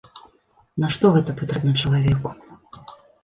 Нашто гэта патрэбна чалавеку!